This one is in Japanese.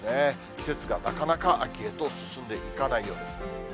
季節がなかなか秋へと進んでいかないようです。